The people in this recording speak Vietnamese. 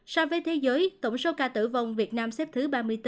so với thế giới tổng số ca tử vong việt nam xếp thứ ba mươi bốn